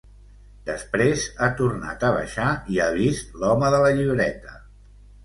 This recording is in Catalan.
Després ha tornat a baixar i ha vist l'home de la llibreta.